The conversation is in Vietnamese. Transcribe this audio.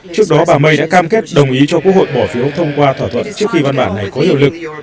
trước đó bà may đã cam kết đồng ý cho quốc hội bỏ phiếu thông qua thỏa thuận trước khi văn bản này có hiệu lực